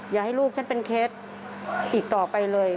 อย่าให้ลูกฉันเป็นเคสอีกต่อไปเลย